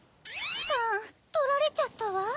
パンとられちゃったわ。